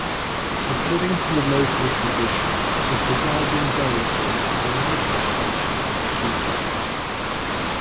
According to the local tradition the presiding deity is a manifestation of Shiva.